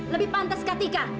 lebih pantes kak tika